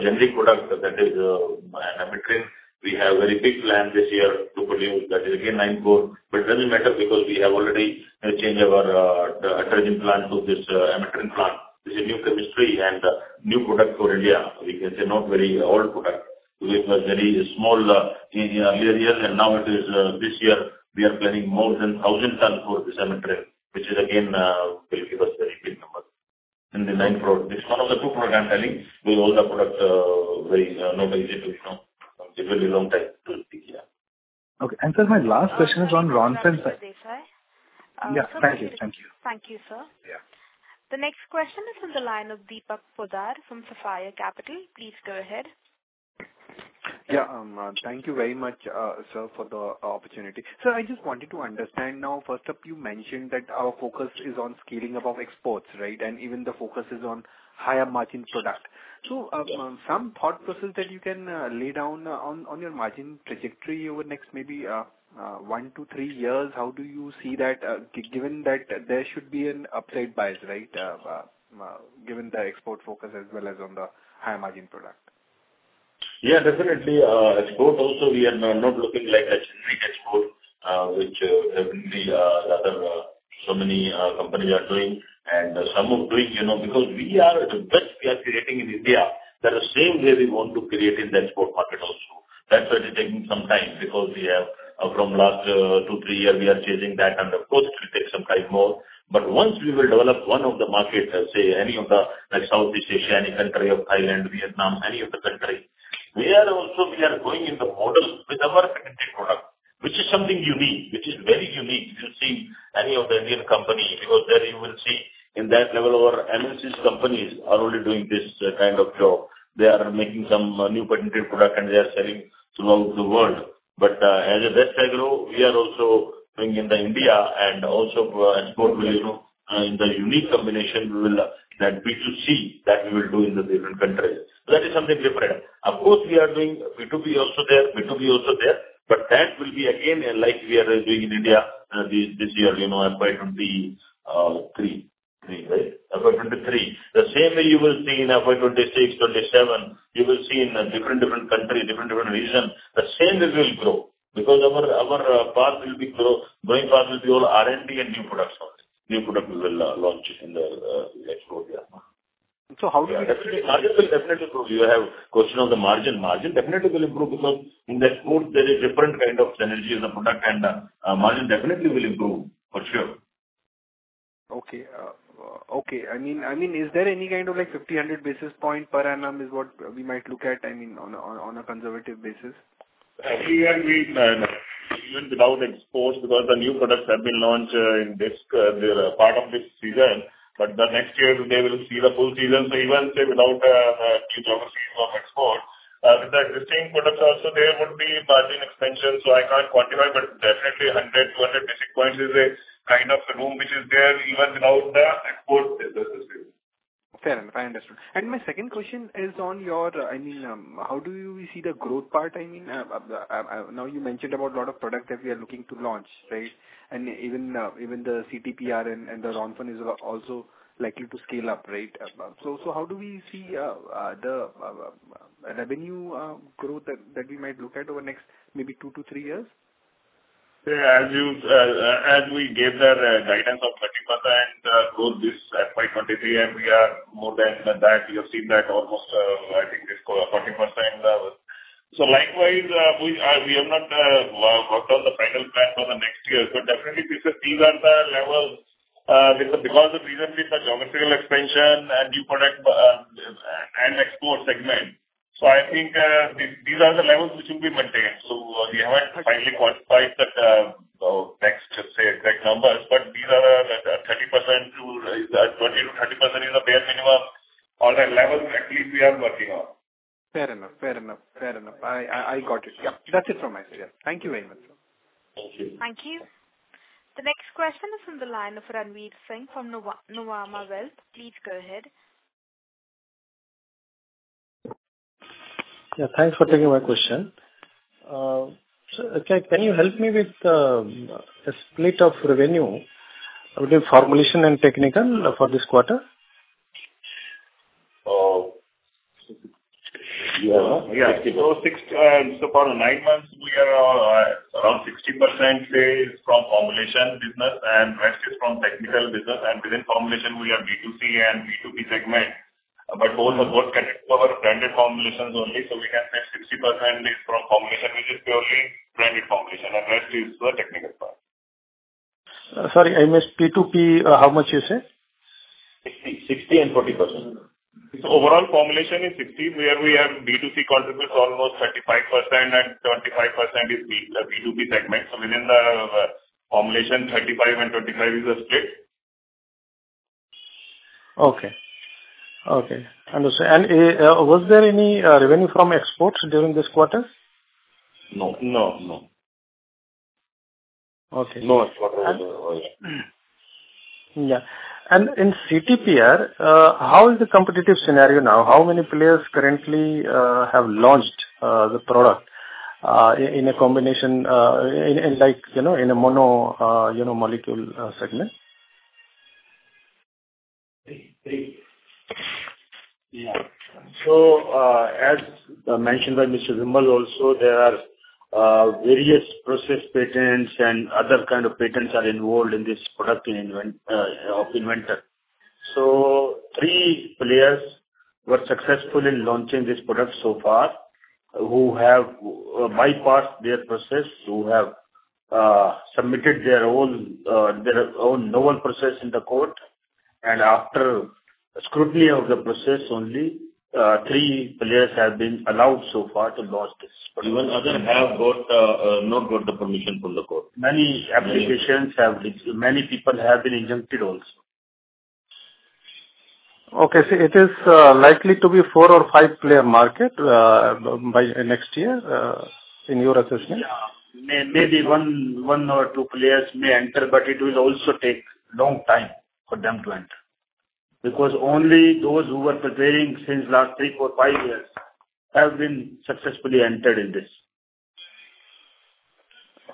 generic product. That is an amitraz. We have very big plan this year to produce. That is again 9(4). It doesn't matter because we have already changed our atrazin plant to this amitraz plant. This is new chemistry and new product for India. We can say not very old product. It was very small in earlier years, now it is, this year we are planning more than 1,000 tons for this amitraz, which is again, will give us very big numbers. In the nine product, this is one of the two product I'm telling. We own the product, very, nobody. Okay. Sir, my last question is on Ronfen, sir? Yeah. Thank you. Thank you. Thank you, sir. Yeah. The next question is on the line of Deepak Poddar from Sapphire Capital. Please go ahead. Yeah. Thank you very much, sir, for the opportunity. Sir, I just wanted to understand now, first up, you mentioned that our focus is on scaling above exports, right? Even the focus is on higher margin product. Some thought process that you can lay down on your margin trajectory over the next maybe one to three years. How do you see that, given that there should be an upside bias, right? Given the export focus as well as on the high margin product. Definitely. Export also we are not looking like a generic export, which maybe rather so many companies are doing and some are doing, you know, because we are the best we are creating in India. That the same way we want to create in the export market also. That's why it is taking some time because we have from last two, three years we are changing that and of course it will take some time more. Once we will develop one of the market, let's say any of the, like Southeast Asia, any country of Thailand, Vietnam, any of the country, we are also, we are going in the model with our patented product, which is something unique, which is very unique to see any of the Indian company, because there you will see in that level our MNCs companies are only doing this kind of job. They are making some new patented product and they are selling throughout the world. As a Vestagro, we are also doing in the India and also for export, you know, in the unique combination we will, that B2C that we will do in the different countries. That is something different. Of course we are doing B2B also there, but that will be again like we are doing in India this year, you know, FY 2023. Right? FY 2023. The same way you will see in FY 2026, 2027, you will see in different countries, different regions. The same way we will grow because our path will be grow, going path will be all R&D and new products only. New product we will launch in the export, yeah. how do. Margin will definitely improve. You have question on the margin. Margin definitely will improve because in the export there is different kind of synergy in the product and margin definitely will improve for sure. Okay. Okay. I mean, is there any kind of like 50, 100 basis points per annum is what we might look at, I mean, on a conservative basis? Here we, even without exports because the new products have been launched, in this part of this season, but the next year they will see the full season. Even, say, without geography from export, with the existing products also there would be margin expansion. I can't quantify, but definitely 100, 200 basis points is a kind of room which is there even without the export business. Fair enough. I understood. My second question is on your, I mean, how do you see the growth part, I mean? Now you mentioned about a lot of product that we are looking to launch, right? Even the CTPR and the Ronfen is also likely to scale up, right? So how do we see the revenue growth that we might look at over the next maybe two to three years? As you, as we gave the guidance of 30% growth this FY 2023, we are more than that. You have seen that almost, I think it's 40%. Likewise, we have not worked on the final plan for the next year. Definitely these are the levels because of recently the geographical expansion and new product and export segment. I think, these are the levels which will be maintained. We haven't finally quantified the next, say, exact numbers, but these are the 30% to 20%-30% is the bare minimum or the level at least we are working on. Fair enough. I got it. Yeah. That's it from my side. Thank you very much. Thank you. Thank you. The next question is from the line of Ranvir Singh from Nuvama Wealth. Please go ahead. Yeah, thanks for taking my question. Can you help me with a split of revenue between formulation and technical for this quarter? Yeah. For nine months we are around 60%, say, is from formulation business and rest is from technical business. Within formulation we have B2C and B2B segment. Both are connected to our branded formulations only. We can say 60% is from formulation, which is purely branded formulation and rest is the technical part. Sorry, I missed. B2B, how much you say? 60 and 40%. Overall formulation is 60, where we have B2C contributes almost 35% and 25% is the B2B segment. Within the formulation, 35 and 25 is the split. Okay. Okay. Understand. Was there any revenue from exports during this quarter? No, no. Okay. No export revenue. Oh, yeah. Yeah. In CTPR, how is the competitive scenario now? How many players currently have launched the product in a combination, in like, you know, in a mono, you know, molecule, segment? 3. Yeah. As mentioned by Mr. Vimal also, there are various process patents and other kind of patents are involved in this product in invent of inventor. 3 players were successful in launching this product so far, who have bypassed their process, who have submitted their own novel process in the court. After scrutiny of the process, only 3 players have been allowed so far to launch this product. Even other have not got the permission from the court. Many people have been injuncted also. Okay. It is likely to be a four or five player market by next year in your assessment? May, maybe one or two players may enter. It will also take long time for them to enter. Only those who were preparing since last three, four, five years have been successfully entered in this.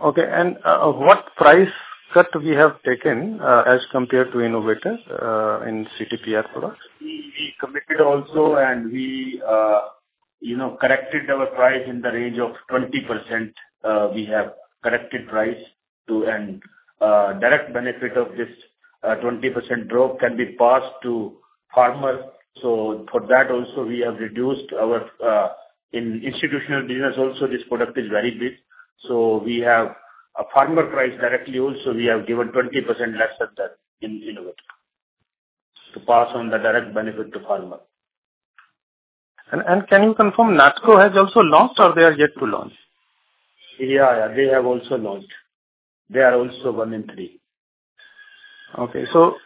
Okay. What price cut we have taken, as compared to innovators, in CTPR products? We committed also, and we, you know, corrected our price in the range of 20%. We have corrected price to... Direct benefit of this, 20% drop can be passed to farmer. For that also we have reduced our... In institutional business also this product is very big. We have a farmer price directly also, we have given 20% less than that in innovative to pass on the direct benefit to farmer. Can you confirm Natco has also launched or they are yet to launch? Yeah, yeah, they have also launched. They are also 1 in 3. Okay.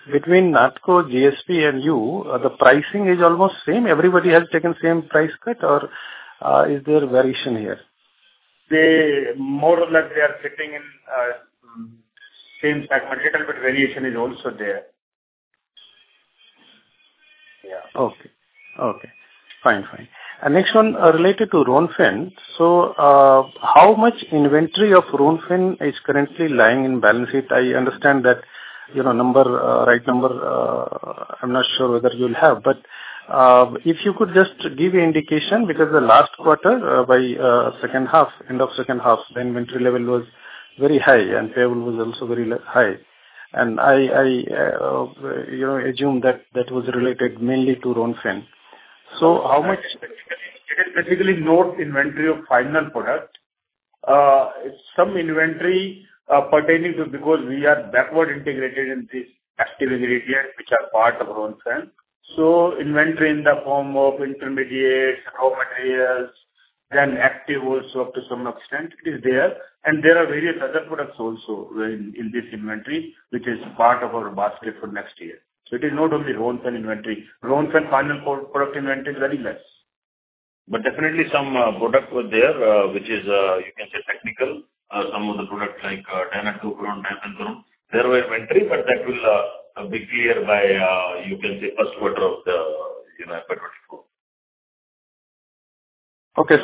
between Natco, JSP, and you, the pricing is almost same. Everybody has taken same price cut or, is there a variation here? They more or less are sitting in same bag. A little bit variation is also there. Yeah. Okay. Okay. Fine. Fine. Next one, related to Ronfen. How much inventory of Ronfen is currently lying in balance sheet? I understand that, you know, number, right number, I'm not sure whether you'll have, but, if you could just give an indication, because the last quarter, by, second half, end of second half, the inventory level was very high and payable was also very high. I, you know, assume that that was related mainly to Ronfen. How much. It is basically no inventory of final product. Some inventory pertaining to because we are backward integrated in this active ingredient, which are part of Ronfen. Inventory in the form of intermediates, raw materials, then active also up to some extent is there. There are various other products also in this inventory, which is part of our basket for next year. It is not only Ronfen inventory. Ronfen final product inventory is very less. Definitely some product was there, which is, you can say technical. Some of the products like and, there were inventory, but that will be clear by, you can say first quarter of the, you know, FY 2024. Okay.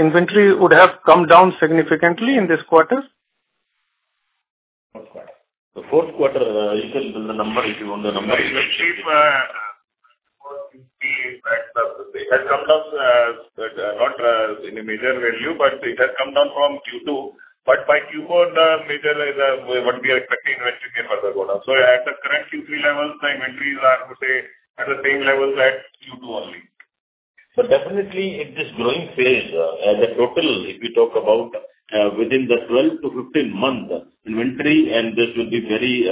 inventory would have come down significantly in this quarter? Fourth quarter. The fourth quarter you can build the number if you want the number. It has come down, but not in a major value, but it has come down from Q2. By Q4, the major is what we are expecting when we can further go down. At the current Q3 levels, the inventories are, I would say, at the same level as Q2 only. Definitely in this growing phase, the total, if we talk about, within the 12 to 15 months inventory, and this will be very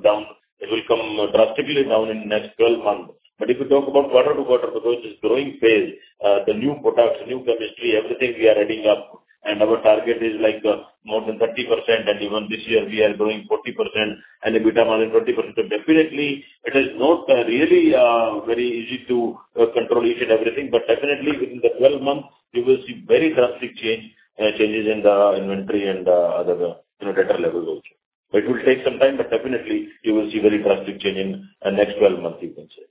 down. It will come drastically down in the next 12 months. If you talk about quarter to quarter, because it's growing phase, the new products, new chemistry, everything we are adding up and our target is like more than 30%. Even this year we are growing 40% and the EBITDA margin 20%. Definitely it is not really very easy to control each and everything. Definitely within the 12 months you will see very drastic change, changes in the inventory and other, you know, data level also. It will take some time, but definitely you will see very drastic change in next 12 months you can say.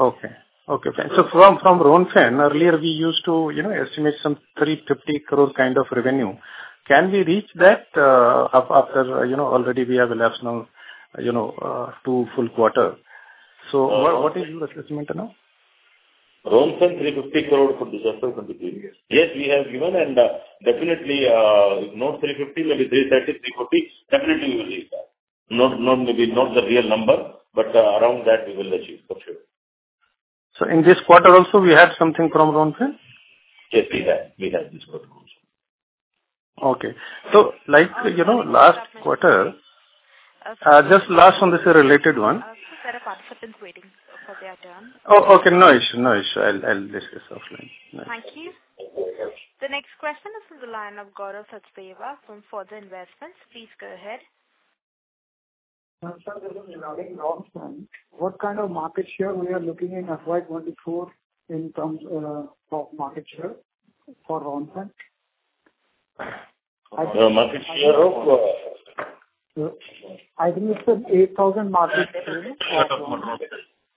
Okay. Okay. From Ronfen, earlier we used to, you know, estimate some 350 crore kind of revenue. Can we reach that, after, you know, already we have elapsed now, you know, two full quarter. What is your assessment now? Ronfen INR 350 crore for the from the previous. Yes, we have given and, definitely, if not INR 350, maybe INR 330, INR 340, definitely we will reach that. Not maybe, not the real number, but, around that we will achieve for sure. In this quarter also we have something from Ronfen? Yes, we have. We have this quarter also. Okay. like, you know, last quarter, just last one, this is a related one. Sir, there are participants waiting, sir, for their turn. Oh, okay, no issue. No issue. I'll discuss offline. Thank you. Okay. The next question is from the line of Gaurav Sathe from Fortune Financial Services. Please go ahead. Gaurav Sathe, Ronfen, what kind of market share we are looking in FY 2024 in terms, of market share for Ronfen? The market share of. I think you said 8,000 market share.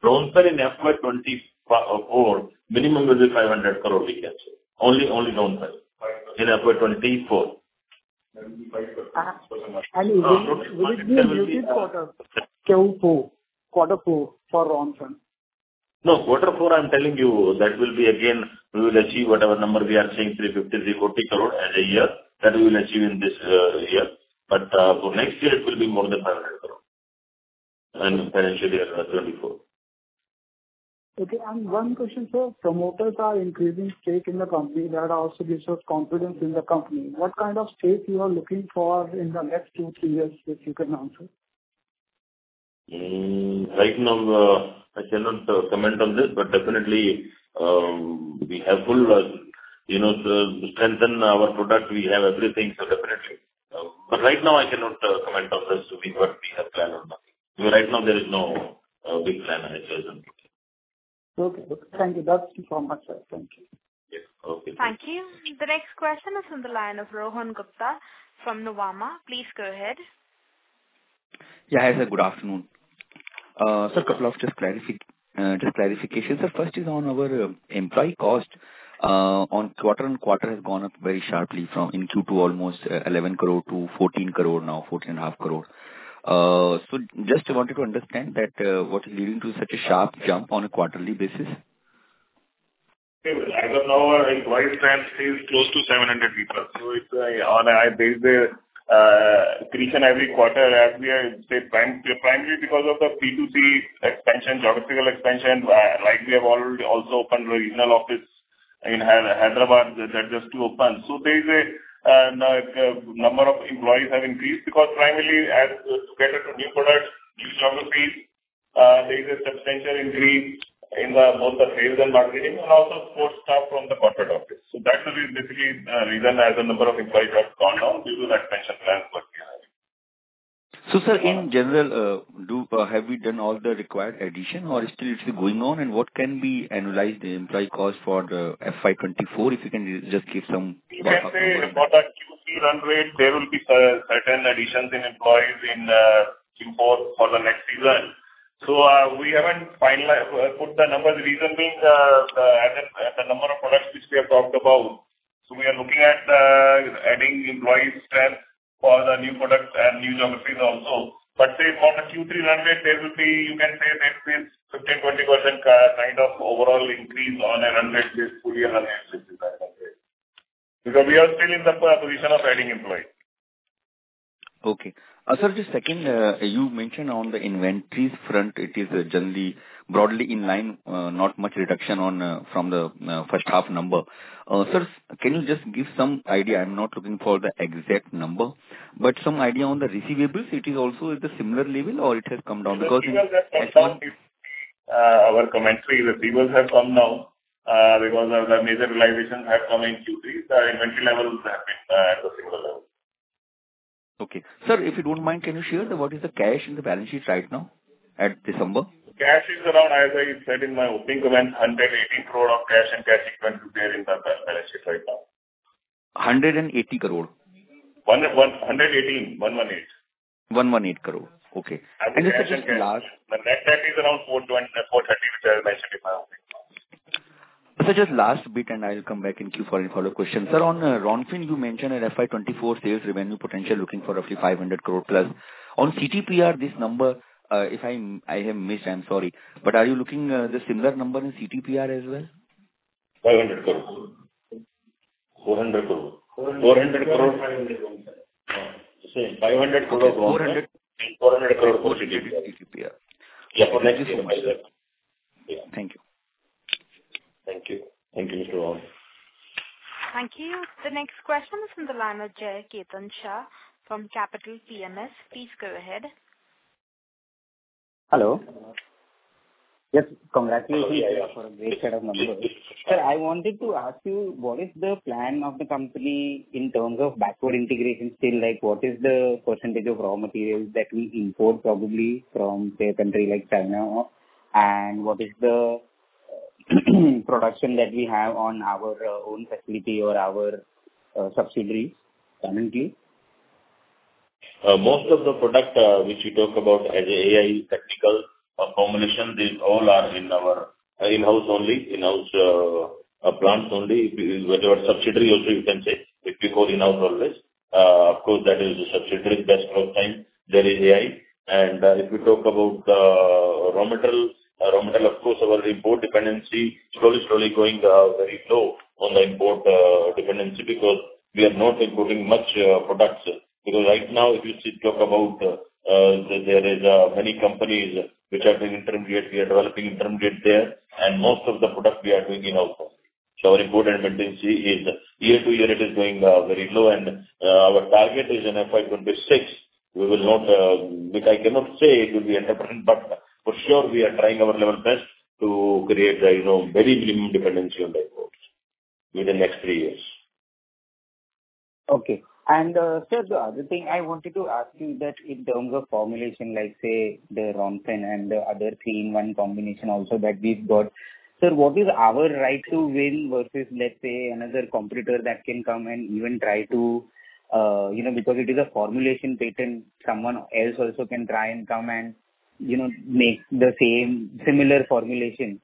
Ronfen in FY 2024, minimum will be 500 crore we can say. Only Ronfen in FY 2024. Will it be in which quarter? Q4, quarter four for Ronfen. No, Q4, I'm telling you that will be again, we will achieve whatever number we are saying, 350 crore, 340 crore as a year. That we will achieve in this year. For next year it will be more than 500 crore. FY 2024. Okay. 1 question, sir. Promoters are increasing stake in the company. That also gives us confidence in the company. What kind of stake you are looking for in the next 2-3 years, if you can answer? Right now, I cannot comment on this. Definitely, we have full, you know, to strengthen our product, we have everything. Definitely. Right now I cannot comment on this to be what we have planned or not. Right now there is no big plan as such. Okay, okay. Thank you. That's it from my side. Thank you. Yes. Okay. Thank you. The next question is on the line of Rohan Gupta from Nuvama. Please go ahead. Good afternoon. A couple of just clarifications. First is on our employee cost, on quarter-on-quarter has gone up very sharply from in Q2 almost 11 crore to 14 crore, now 14.5 crore. Just wanted to understand that, what is leading to such a sharp jump on a quarterly basis. As of now, our employee strength is close to 700 people. It's on a base each and every quarter as we are, say, primarily because of the B2B expansion, geographical expansion, like we have already also opened regional office in Hyderabad. That just to open. There is a number of employees have increased because primarily as we get into new products, new geographies, there is a substantial increase in the both the sales and marketing and also support staff from the corporate office. That will be basically reason as the number of employees have gone up due to the expansion plans what we are having. Sir, in general, Have we done all the required addition or still it's going on? What can we analyze the employee cost for the FY 2024, if you can just give some rough number on that. You can say for the Q3 run rate, there will be certain additions in employees in Q4 for the next fiscal. We haven't finalized put the numbers. The reason being the number of products which we have talked about. We are looking at adding employee strength for the new products and new geographies also. Say for the Q3 run rate, there will be, you can say there is 15-20% kind of overall increase on a run rate basis, full year run rate basis. Because we are still in the position of adding employees. Okay. sir, just second, you mentioned on the inventories front, it is generally broadly in line, not much reduction from the first half number. sir, can you just give some idea, I'm not looking for the exact number, but some idea on the receivables, it is also at the similar level or it has come down? as you. Receivables have come down significantly. Our commentary, receivables have come down because of the major realizations have come in Q3. The inventory levels have been at the similar level. Okay. Sir, if you don't mind, can you share what is the cash in the balance sheet right now at December? Cash is around, as I said in my opening comments, 180 crore of cash and cash equivalents we have in the balance sheet right now. INR 180 crore. One, one, hundred eighteen. One one eight. INR 118 crore. Okay. Just last. Our net debt is around INR 420, INR 430 crore by Okay. Sir, the other thing I wanted to ask you that in terms of formulation, like say the Ronfen and the other 3-in-1 combination also that we've got. Sir, what is our right to win versus, let's say, another competitor that can come and even try to, you know, because it is a formulation patent, someone else also can try and come and, you know, make the same similar formulation.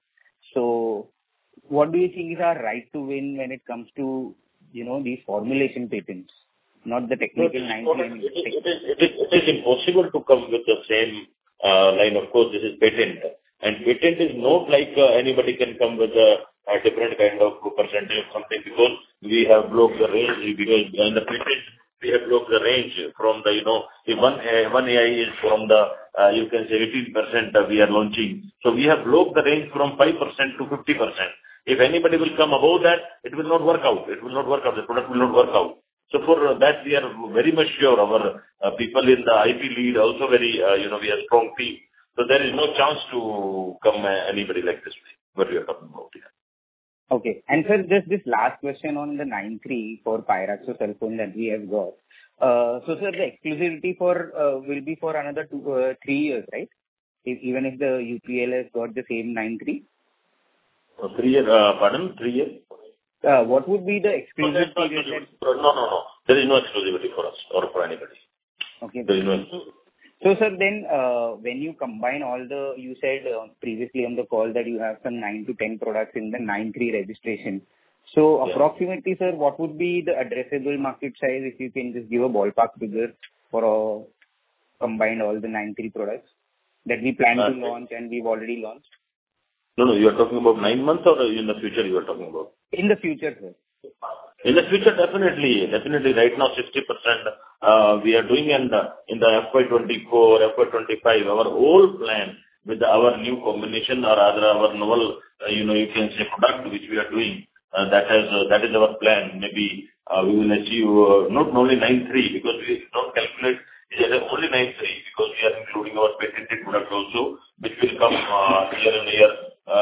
What do you think is our right to win when it comes to, you know, these formulation patents, not the technical 996? It is impossible to come with the same line. Of course, this is patent. Patent is not like anybody can come with a different kind of percentage or something because we have blocked the range because in the patent we have blocked the range from the, you know, 1 AI is from the, you can say 18% that we are launching. We have blocked the range from 5% to 50%. If anybody will come above that, it will not work out. It will not work out. The product will not work out. For that we are very much sure. Our people in the IP lead also very, you know, we have strong team. There is no chance to come anybody like this way, what you are talking about. Okay. Sir, just this last question on the 9(3) for Pyroxasulfone that we have got. Sir, the exclusivity will be for another two, three years, right, even if UPL has got the same 9(3)? Three year. Pardon, three year. What would be the exclusivity period? No, no. There is no exclusivity for us or for anybody. Okay. There is none. Sir, you said previously on the call that you have some 9-10 products in the 9(3) registration. Yeah. Approximately, sir, what would be the addressable market size if you can just give a ballpark figure for combine all the 9(3) products that we plan to launch and we've already launched. No, no. You are talking about nine months or in the future you are talking about? In the future, sir. In the future, definitely. Definitely right now 60%, we are doing in the FY 2024, FY25. Our whole plan with our new combination or rather our novel, you know, you can say product which we are doing, that has, that is our plan. Maybe, we will achieve not only 9(3) because we don't calculate as only 9(3) because we are including our patented product also which will come year on year.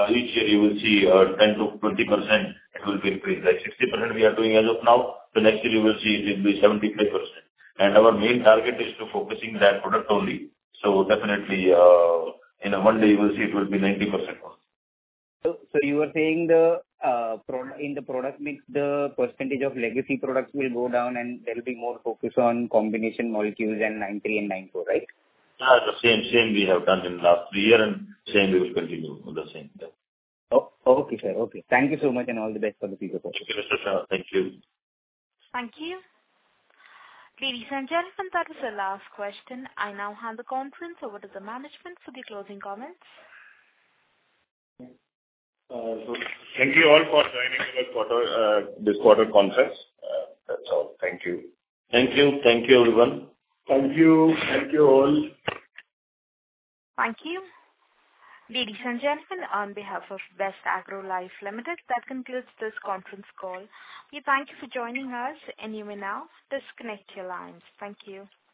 Each year you will see 10%-20% it will be increased. Like 60% we are doing as of now. Next year you will see it will be 75%. Our main target is to focusing that product only. Definitely, in a 1 day you will see it will be 90% also. You are saying the pro-in the product mix, the percentage of legacy products will go down and there'll be more focus on combination molecules and 9(3) and 9(4), right? The same we have done in last three year and same we will continue with the same. Yeah. Okay, sir. Okay. Thank you so much and all the best for the future. Okay, Mr. Shah. Thank you. Thank you. Ladies and gentlemen, that was our last question. I now hand the conference over to the management for the closing comments. Thank you all for joining our quarter, this quarter conference. That's all. Thank you. Thank you. Thank you, everyone. Thank you. Thank you, all. Thank you. Ladies and gentlemen, on behalf of Best Agrolife Limited, that concludes this conference call. We thank you for joining us. You may now disconnect your lines. Thank you.